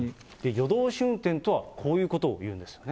夜通し運転とはこういうことをいうんですね。